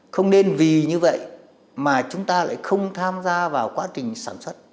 không nên vì như vậy mà chúng ta lại không tham gia vào quá trình sản xuất